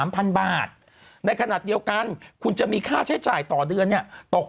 พันบาทในขณะเดียวกันคุณจะมีค่าใช้จ่ายต่อเดือนเนี่ยตก